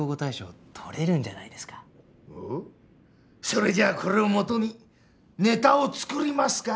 それじゃあこれをもとにネタを作りますか？